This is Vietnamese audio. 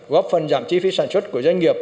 góp phần giảm chi phí sản xuất của doanh nghiệp